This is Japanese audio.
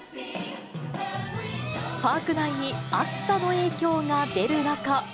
パーク内に暑さの影響が出る中。